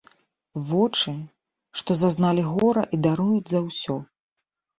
Вочы, што зазналі гора і даруюць за ўсё.